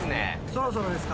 そろそろですか。